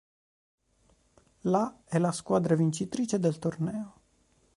La è la squadra vincitrice del trofeo.